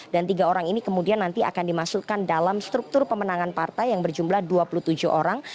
dan tiga orang ini kemudian nanti akan dimasukkan dalam struktur pemenangan partai yang berjumlah dua puluh tujuh orang